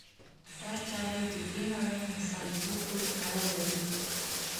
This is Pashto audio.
دا چارې د دې نړۍ مصالحو پورې اړه لري.